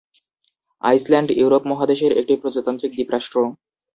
Iceland Europe মহাদেশের একটি প্রজাতান্ত্রিক দ্বীপ রাষ্ট্র।